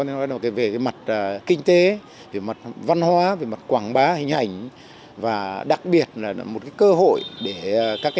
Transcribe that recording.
nên nói về mặt kinh tế về mặt văn hoá về mặt quảng bá hình ảnh và đặc biệt là một cơ hội để các